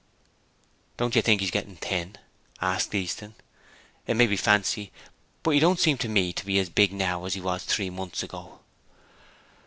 'Don't you think he's getting thin?' asked Easton. 'It may be fancy, but he don't seem to me to be as big now as he was three months ago.'